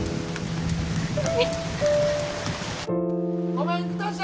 ・ごめんください！